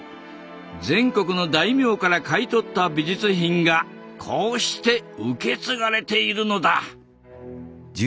全国の大名から買い取った美術品がこうして受け継がれているのだ。